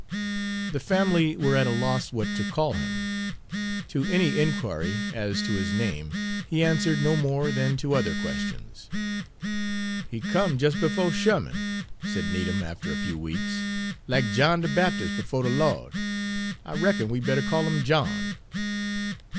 The family were at a loss what to call him. To any inquiry as to his name he answered no more than to other questions. "He come jes' befo' Sherman," said Needham, after a few weeks, "lack John de Baptis' befo' de Lawd. I reckon we bettah call 'im John."